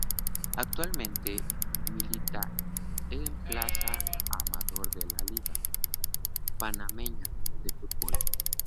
Actualmente milita en Plaza Amador de la Liga Panameña de Fútbol.